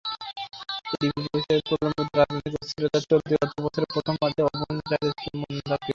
ADB বলছে, প্রলম্বিত রাজনৈতিক অস্থিরতায় চলতি অর্থবছরের প্রথমার্ধে অভ্যন্তরীণ চাহিদা ছিল মন্দাক্রান্ত।